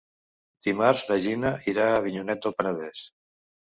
Dimarts na Gina irà a Avinyonet del Penedès.